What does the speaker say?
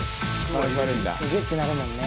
大西：ギュッてなるもんね。